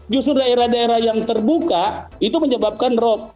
justru daerah daerah yang terbuka itu menyebabkan rop